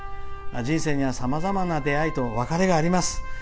人生にはさまざまな出会いと別れがあります。